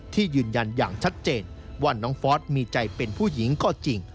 ที่ยืนยันอย่างชัดเจนว่าน้องฟอสมีใจเป็นผู้หญิงก็จริง